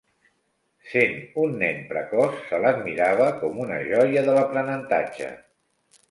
Sent un nen precoç, se l'admirava com una joia de l'aprenentatge.